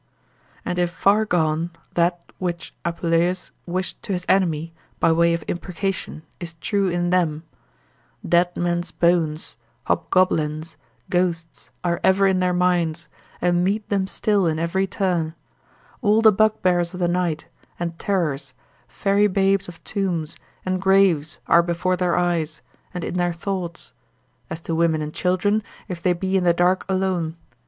and if far gone, that which Apuleius wished to his enemy, by way of imprecation, is true in them; Dead men's bones, hobgoblins, ghosts are ever in their minds, and meet them still in every turn: all the bugbears of the night, and terrors, fairy babes of tombs, and graves are before their eyes, and in their thoughts, as to women and children, if they be in the dark alone.